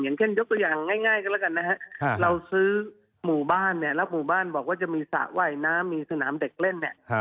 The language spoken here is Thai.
อย่างเช่นยกตัวอย่างง่ายก็แล้วกันนะฮะเราซื้อหมู่บ้านเนี่ยแล้วหมู่บ้านบอกว่าจะมีสระว่ายน้ำมีสนามเด็กเล่นเนี่ย